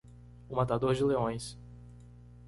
O matador de leões.